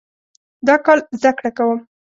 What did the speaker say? دا کال زده کړه کوم